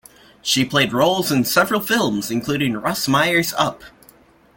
She played roles in several films, including Russ Meyer's Up!